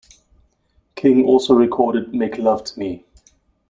King also recorded "Make Love to Me".